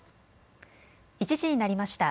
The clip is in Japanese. １時になりました。